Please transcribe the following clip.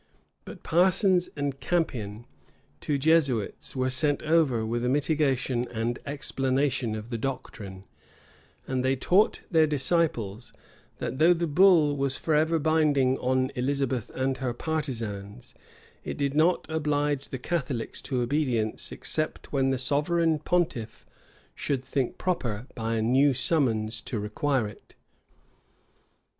But Parsons and Campion, two Jesuits, were sent over with a mitigation and explanation of the doctrine; and they taught their disciples, that though the bull was forever binding on Elizabeth and her partisans, it did not oblige the Catholics to obedience except when the sovereign pontiff should think proper, by a new summons, to require it.